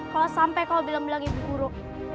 kalau sampai kau bilang bilang ibu guru